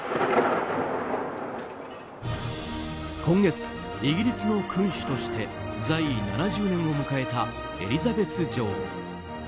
今月、イギリスの君主として在位７０年を迎えたエリザベス女王。